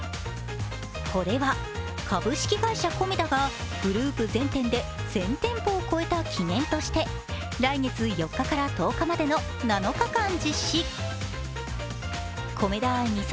これは株式会社コメダがグループ全店で１０００店舗を超えた記念として来月４日から１０日までの７日間実施。とコメントしています。